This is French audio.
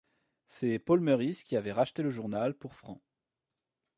C'est Paul Meurice qui avait racheté le journal pour francs.